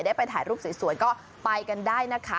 ได้ไปถ่ายรูปสวยก็ไปกันได้นะคะ